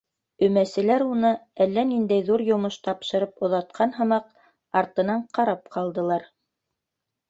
Өмәселәр уны әллә ниндәй ҙур йомош тапшырып оҙатҡан һымаҡ, артынан ҡарап ҡалдылар.